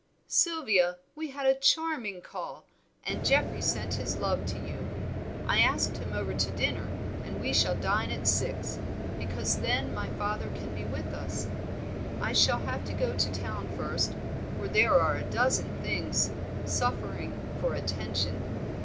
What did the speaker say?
"Sylvia, we had a charming call, and Geoffrey sent his love to you. I asked him over to dinner, and we shall dine at six, because then my father can be with us. I shall have to go to town first, for there are a dozen things suffering for attention.